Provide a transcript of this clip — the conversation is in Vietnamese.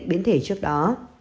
biến thể trước đó